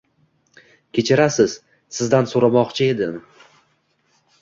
Kechirasiz, sizdan so’ramoqchi edim.